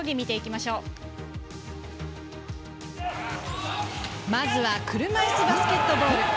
まずは、車いすバスケットボール。